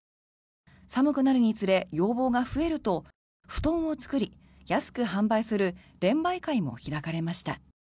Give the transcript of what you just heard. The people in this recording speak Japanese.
寒くなるにつれ、要望が増えると布団を作り安く販売する廉売会も開かれました。